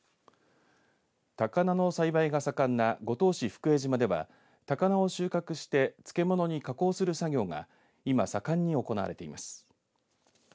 高菜の栽培が盛んな五島市福江島では高菜を収穫して漬物に加工する作業が今、盛んに行われています。